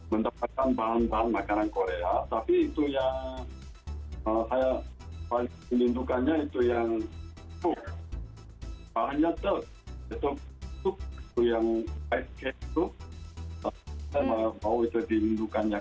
mendapatkan bahan bahan makanan korea tapi itu yang saya lindungi itu yang banyak itu yang itu